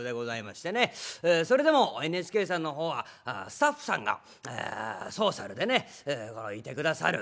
それでもＮＨＫさんの方はスタッフさんがソーシャルでねいてくださる。